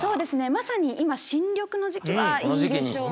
まさに今新緑の時期はいいでしょうね。